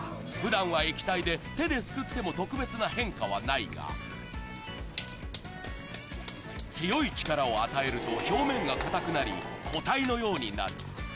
ふだんは液体で手ですくっても特別な変化はないが、強い力を与えると表面が硬くなり、固体のようになる。